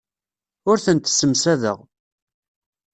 Ur tent-ssemsadeɣ.